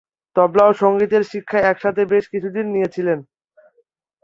তবলা ও সঙ্গীতের শিক্ষা একসাথে বেশ কিছুদিন নিয়েছিলেন।